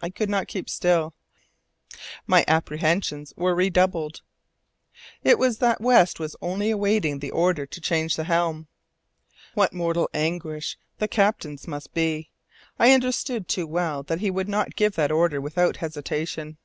I could not keep still, I confess. My apprehensions were redoubled. It was evident that West was only awaiting the order to change the helm. What mortal anguish soever the captain's must be, I understood too well that he would not give that order without hesitation.